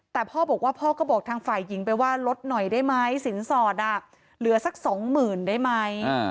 แต่พ่อบอกว่าพ่อก็บอกทางฝ่ายหญิงไปว่าลดหน่อยได้ไหมสินสอดเหลือสักสองหมื่นได้ไหม